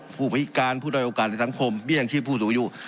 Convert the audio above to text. ผู้พิการผู้ด้อยโอกาสในสังคมเบี้ยงชีพผู้สูงอายุ